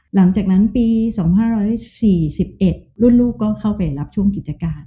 หลังจากนั้นปี๒๕๔๑รุ่นลูกก็เข้าไปรับช่วงกิจการ